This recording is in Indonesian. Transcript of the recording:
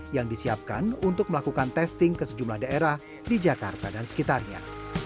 yang disiapkan untuk melakukan testing ke sejumlah daerah di jakarta dan sekitarnya